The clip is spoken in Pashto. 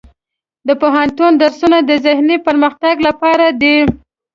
د پوهنتون درسونه د ذهني پرمختګ لپاره دي.